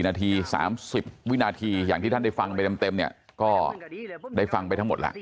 นาที๓๐วินาทีอย่างที่ท่านได้ฟังไปเต็มเนี่ยก็ได้ฟังไปทั้งหมดแล้ว